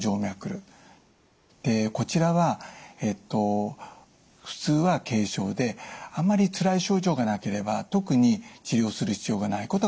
こちらは普通は軽症であまりつらい症状がなければ特に治療する必要がないことが多いです。